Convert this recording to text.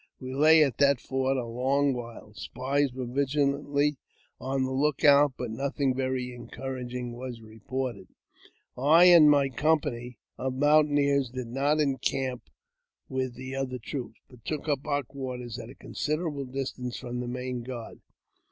We lay at that fort a long I II I JAMES P. BECKWOURTH. 343 while ; spies were vigilantly on the look out, but nothing very encouraging was reported. I and my company of mountaineers did not encamp with the other troops, but took up our quarters at a considerable distance from the main guard.